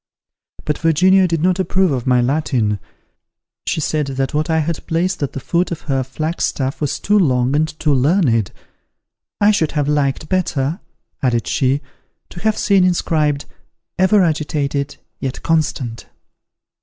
But Virginia did not approve of my Latin: she said, that what I had placed at the foot of her flagstaff was too long and too learned. "I should have liked better," added she, "to have seen inscribed, EVER AGITATED, YET CONSTANT."